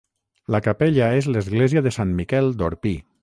La capella és l'església de Sant Miquel d'Orpí.